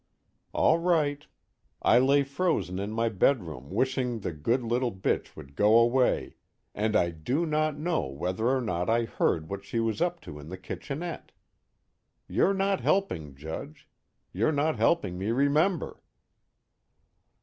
_ _All right. I lay frozen in my bedroom wishing the good little bitch would go away, and I DO NOT KNOW whether or not I heard what she was up to in the kitchenette. You're not helping, Judge. You're not helping me remember.